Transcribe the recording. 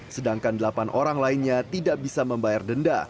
sedangkan delapan orang lainnya tidak bisa membayar denda